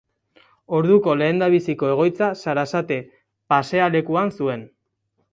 Orduko lehendabiziko egoitza Sarasate pasealekuan zuen.